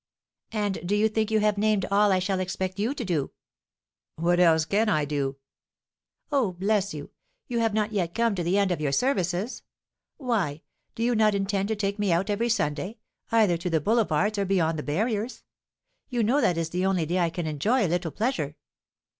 "And do you think you have named all I shall expect you to do?" "What else can I do?" "Oh, bless you, you have not yet come to the end of your services! Why, do you not intend to take me out every Sunday, either to the Boulevards or beyond the barriers? You know that is the only day I can enjoy a little pleasure."